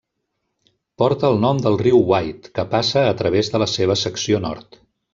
Porta el nom del riu White que passa a través de la seva secció nord.